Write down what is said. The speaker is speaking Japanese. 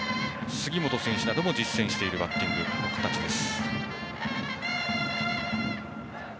杉本選手なども実践しているバッティングの形です。